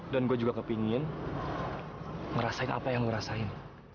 dan gua juga kepengen ngerasain apa yang lu rasain